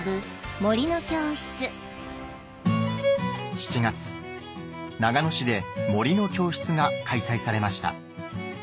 ７月長野市で「森の教室」が開催されました